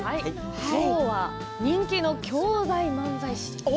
今日は人気の兄弟漫才師